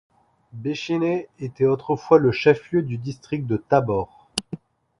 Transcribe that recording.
Bechyně était autrefois le chef-lieu du district de Tábor.